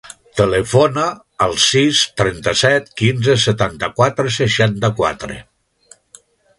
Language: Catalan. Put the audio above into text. Telefona al sis, trenta-set, quinze, setanta-quatre, seixanta-quatre.